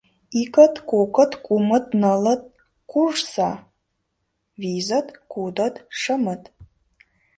«Икыт, кокыт, кумыт, нылыт, Куржса! — визыт, кудыт, шымыт...»